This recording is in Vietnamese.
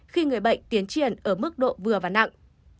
khi người bệnh tiến triển ở mức độ vừa và nặng